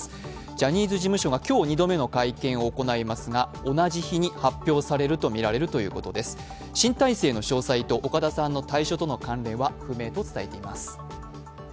ジャニーズ事務所が今日２度目の会見が行われますが、同じ日に発表されるとみられるということです新体制の詳細と岡田さんの退所との関連は不明と伝えています。